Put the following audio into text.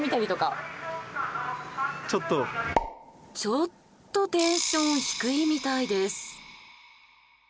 ちょっとテンション低いみたいです。